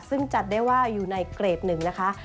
ซึ่งจัดได้ว่าอยู่ในเกรดหนึ่งนะคะ